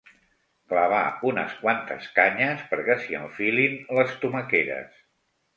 Clavar unes quantes canyes perquè s'hi enfilin les tomaqueres.